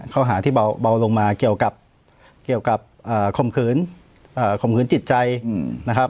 ข้อหาที่เบาลงมาเกี่ยวกับเคริงขอบคืนจิตใจนะครับ